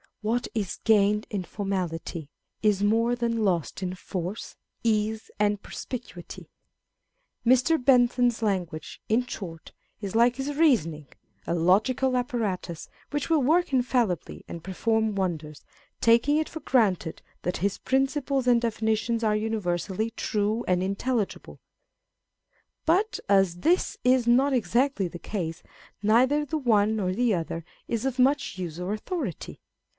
What is gained in formality, is more than lost in force, ease, and perspicuity. Mr. Bentham's language, in short, is like his reasoning, a logical apparatus, which will work infallibly and perform wonders, taking it for granted that his principles and definitions are universally true and intelligible ; but as this is not exactly the case, neither the one nor the other is of much use or authority.